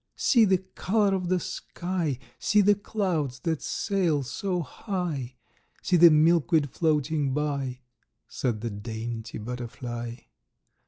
"See the color of the sky; See the clouds that sail so high; See the milkweed floating by"— Said the dainty butterfly.